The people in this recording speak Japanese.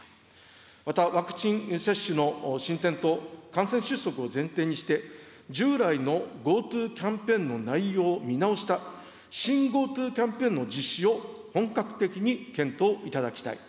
また、ワクチン接種の進展と感染収束を前提にして、従来のＧｏＴｏキャンペーンの内容を見直した新ＧｏＴｏキャンペーンの実施を本格的に検討いただきたい。